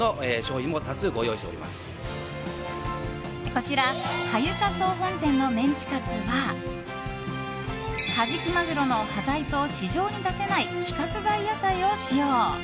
こちら羽床総本店のメンチカツはカジキマグロの端材と市場に出せない規格外野菜を使用。